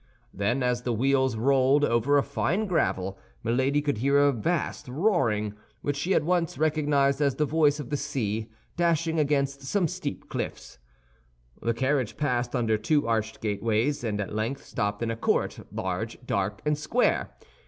Then, as the wheels rolled over a fine gravel, Milady could hear a vast roaring, which she at once recognized as the noise of the sea dashing against some steep cliff. The carriage passed under two arched gateways, and at length stopped in a court large, dark, and square.